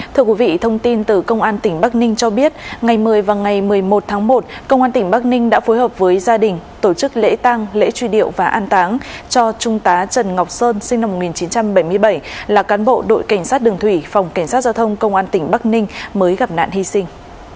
thưa quý vị thông tin từ công an tỉnh bắc ninh cho biết ngày một mươi và ngày một mươi một tháng một công an tỉnh bắc ninh đã phối hợp với gia đình tổ chức lễ tăng lễ truy điệu và an táng cho trung tá trần ngọc sơn sinh năm một nghìn chín trăm bảy mươi bảy là cán bộ đội cảnh sát đường thủy phòng cảnh sát giao thông công an tỉnh bắc ninh mới gặp nạn hy sinh